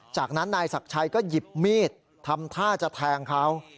จากนั้นนายศักดิ์ชัยก็หยิบมีดทำท่าจะแทงเขา